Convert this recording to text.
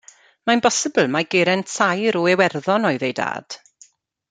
Mae'n bosibl mai Geraint Saer o Iwerddon oedd ei dad.